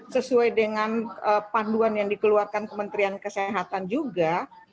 sesuai dengan panduan yang dikeluarkan kementerian kesehatan juga